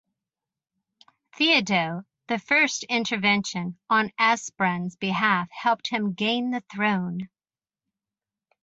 Theodo the First's intervention on Ansprand's behalf helped him gain the throne.